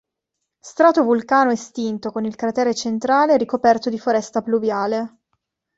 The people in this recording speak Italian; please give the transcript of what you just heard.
Stratovulcano estinto con il cratere centrale ricoperto di foresta pluviale.